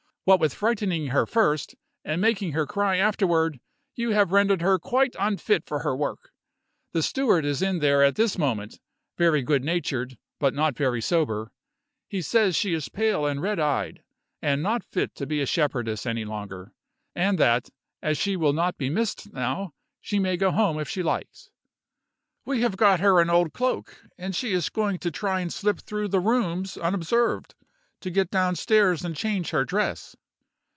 "What with frightening her first, and making her cry afterward, you have rendered her quite unfit for her work. The steward is in there at this moment, very good natured, but not very sober. He says she is pale and red eyed, and not fit to be a shepherdess any longer, and that, as she will not be missed now, she may go home if she likes. We have got her an old cloak, and she is going to try and slip through the rooms unobserved, to get downstairs and change her dress.